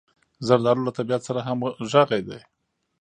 زردالو له طبعیت سره همغږې ده.